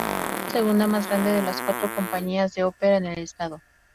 Es la segunda más grande de las cuatro compañías de ópera en el estado.